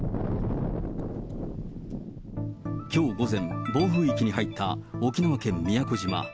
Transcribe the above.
きょう午前、暴風域に入った沖縄県宮古島。